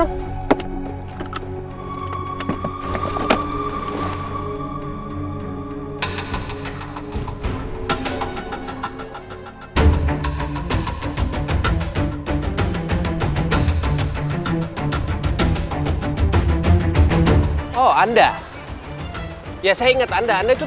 wah dia ngebut